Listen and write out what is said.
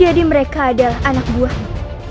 jadi mereka adalah anak buahmu